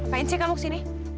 ngapain sih kamu ke sini